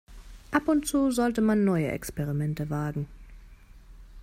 Ab und zu sollte man neue Experimente wagen.